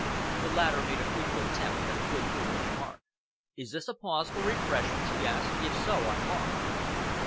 The latter made a feeble attempt at a good humoured remark. "Is this a pause for refreshments?" he asked. "If so, I'm on."